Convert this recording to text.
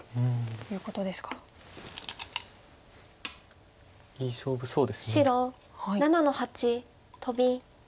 いい勝負そうです。